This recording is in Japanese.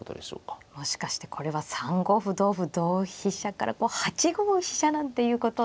もしかしてこれは３五歩同歩同飛車から８五飛車なんていうことを見てる。